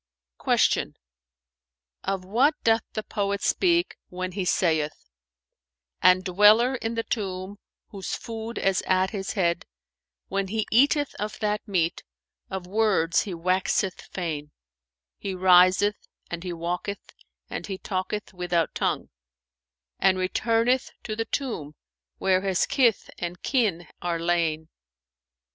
Q "Of what doth the poet speak, when he saith, 'And dweller in the tomb whose food is at his head, * When he eateth of that meat, of words he waxeth fain: He riseth and he walketh and he talketh without tongue; * And returneth to the tomb where his kith and kin are lain.